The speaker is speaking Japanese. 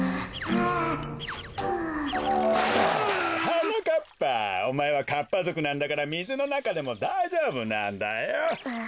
はなかっぱおまえはかっぱぞくなんだからみずのなかでもだいじょうぶなんだよ。